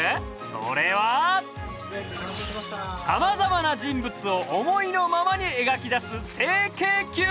それはさまざまな人物を思いのままにえがき出す